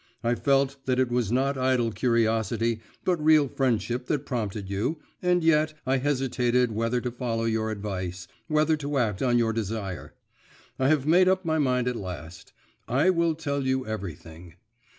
I felt that it was not idle curiosity but real friendship that prompted you, and yet I hesitated whether to follow your advice, whether to act on your desire. I have made up my mind at last; I will tell you everything.